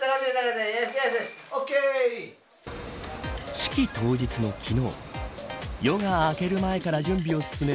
式当日の昨日夜が明ける前から準備を進める